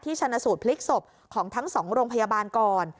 ชนะสูตรพลิกศพของทั้ง๒โรงพยาบาลก่อน